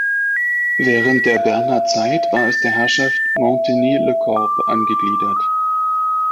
Während der Berner Zeit war es der Herrschaft Montagny-le-Corbe angegliedert.